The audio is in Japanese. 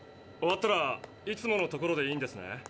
終わったらいつもの所でいいんですね？